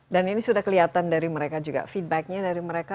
dan ini sudah kelihatan dari mereka juga feedbacknya dari mereka